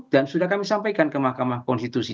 dan sudah kami sampaikan ke mahkamah konstitusi